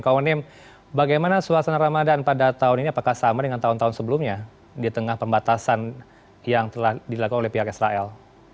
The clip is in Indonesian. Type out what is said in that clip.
kak onim bagaimana suasana ramadan pada tahun ini apakah sama dengan tahun tahun sebelumnya di tengah pembatasan yang telah dilakukan oleh pihak israel